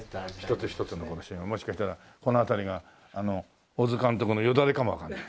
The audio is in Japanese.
一つ一つのこのシミがもしかしたらこの辺りが小津監督のよだれかもわかんない。